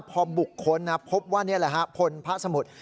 พอบุคคลพบว่านี่แหละฮะพลพระสมุทร